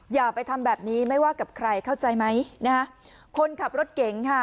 อย่าไปทำแบบนี้ไม่ว่ากับใครเข้าใจไหมนะฮะคนขับรถเก๋งค่ะ